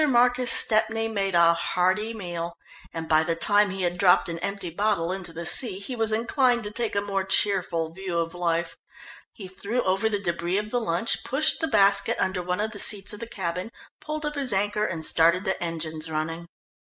Marcus Stepney made a hearty meal, and by the time he had dropped an empty bottle into the sea, he was inclined to take a more cheerful view of life. He threw over the debris of the lunch, pushed the basket under one of the seats of the cabin, pulled up his anchor and started the engines running.